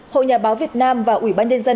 hội nhà báo việt nam và ủy ban nhân dân